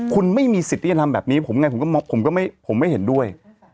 คุณไม่มีสิทธิ์ที่จะทำแบบนี้ผมไงผมไม่เห็นด้วย